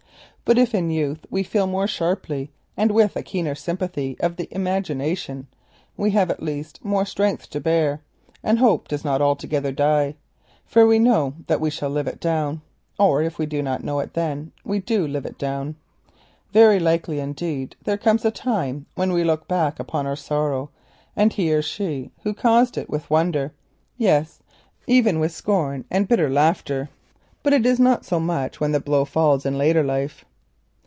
But if in youth we feel more sharply and with a keener sympathy of the imagination, we have at least more strength to bear, and hope does not altogether die. For we know that we shall live it down, or if we do not know it then, we do live it down. Very likely, indeed, there comes a time when we look back upon our sorrow and he or she who caused it with wonder, yes even with scorn and bitter laughter. But it is not so when the blow falls in later life.